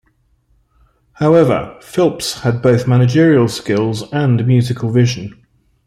However, Filpse had both managerial skills and musical vision.